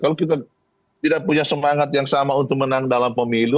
kalau kita tidak punya semangat yang sama untuk menang dalam pemilu